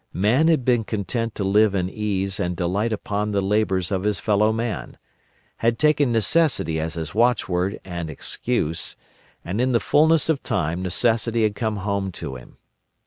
Man had been content to live in ease and delight upon the labours of his fellow man, had taken Necessity as his watchword and excuse, and in the fullness of time Necessity had come home to him.